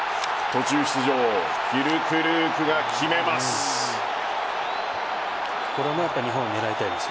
途中出場フュルクルークが決めます。